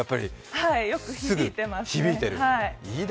はい、よく響いてますね。